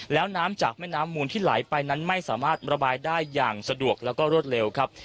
แล้วน้ำจากแม่น้ำมูลที่ไหลไปนั้นไม่สามารถระบายได้อย่างสะดวกแล้วก็รวดเร็วครับ